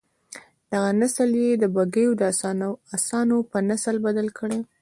دغه نسل یې د بګیو د اسانو په نسل بدل کړ.